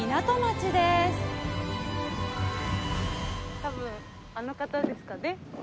たぶんあの方ですかね。